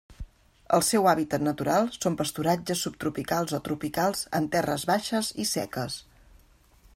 El seu hàbitat natural són pasturatges subtropicals o tropicals en terres baixes i seques.